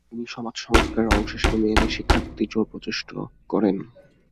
তিনি সমাজ সংস্কারের অংশ হিসেবে মেয়েদের শিক্ষার প্রতি জোর প্রচেষ্টা করেন।